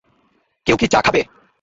কেউ কি চা খাবে?